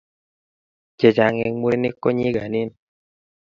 Chechang' eng' murenik ko nyigaanen.